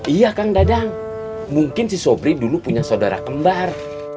iya kang dadang mungkin si sobri dulu punya saudara kembar